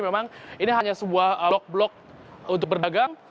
memang ini hanya sebuah lock block untuk berdagang